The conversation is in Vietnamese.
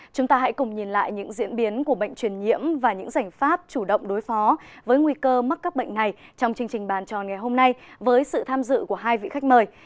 chúng ta hãy cùng nhìn lại những diễn biến của bệnh truyền nhiễm và những giải pháp chủ động đối phó với nguy cơ mắc các bệnh này trong chương trình bàn trò ngày hôm nay với sự tham dự của hai vị khách mời